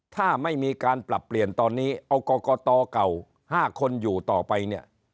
ถ้าไม่มีการปรับเปลี่ยนตอนนี้เอากรกตเก่า๕คนอยู่ต่อไปเนี่ย